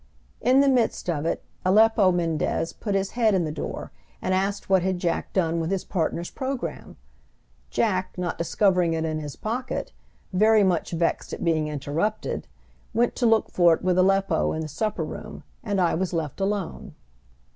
In the midst of it, Aleppo Mendez put his head in the door and asked what had Jack done with his partner's program? Jack, not discovering it in his pocket, very much vexed at being interrupted, went to look for it with Aleppo in the supper room, and I was left alone.